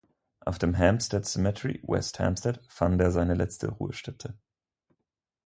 Auf dem Hampstead Cemetery (West Hampstead) fand er seine letzte Ruhestätte.